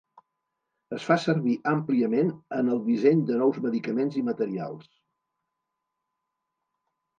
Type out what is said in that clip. Es fa servir àmpliament en el disseny de nous medicaments i materials.